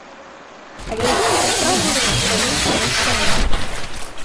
Але ў выніку справу распачалі на іх саміх.